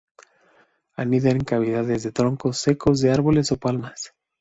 Anida en cavidades de troncos secos de árboles o palmas.